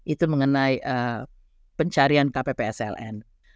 itu mengenai pencarian kppsln